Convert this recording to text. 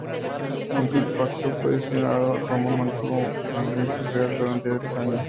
Aunque el pacto fue desestimado, Roma mantuvo un armisticio real durante tres años.